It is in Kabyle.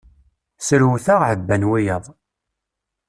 Srewteɣ, ɛabban wiyaḍ.